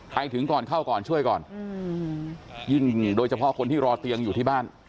ถึงก่อนเข้าก่อนช่วยก่อนยิ่งโดยเฉพาะคนที่รอเตียงอยู่ที่บ้าน